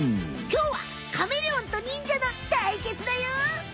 きょうはカメレオンと忍者のたいけつだよ！